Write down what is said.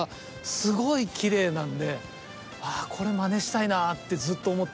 すごいきれいなんでこれまねしたいなってずっと思って。